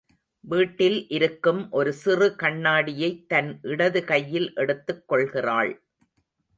வீட்டில் இருக்கும் ஒரு சிறு கண்ணாடியைத் தன் இடது கையில் எடுத்துக் கொள்கிறாள்.